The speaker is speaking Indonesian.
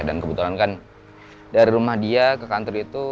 dan kebetulan kan dari rumah dia ke kantor itu